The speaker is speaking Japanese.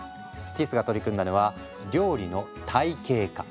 ティスが取り組んだのは料理の体系化。